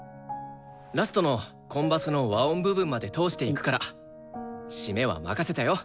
ラストのコンバスの和音部分まで通していくから締めは任せたよ。